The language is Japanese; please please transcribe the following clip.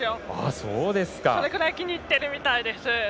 それぐらい気に入っているみたいです。